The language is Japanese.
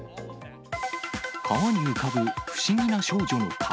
川に浮かぶ不思議な少女の顔。